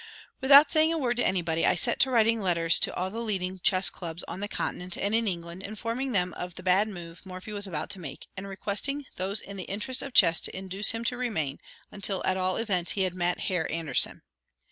Without saying a word to anybody, I set to writing letters to all the leading Chess Clubs on the Continent and in England, informing them of the bad move Morphy was about to make, and requesting those in the interests of chess to induce him to remain, until at all events he had met Herr Anderssen.